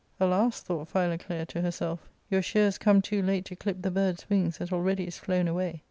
"Alas, " thought Philoclea to herself, " your shears come too late to clip the bird's wings that already is flown away."